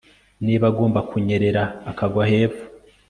Niba agomba kunyerera akagwa hepfo